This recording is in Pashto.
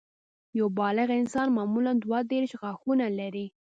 یو بالغ انسان معمولاً دوه دیرش غاښونه لري